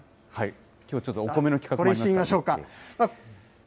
きょうちょっとお米の企画もありこれ押してみましょうか。